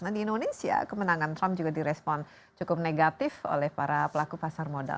nah di indonesia kemenangan trump juga direspon cukup negatif oleh para pelaku pasar modal